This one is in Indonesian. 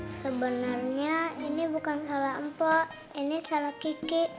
sebenernya ini bukan salah empok ini salah kiki